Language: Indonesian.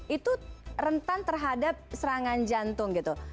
itu rentan terhadap serangan jantung gitu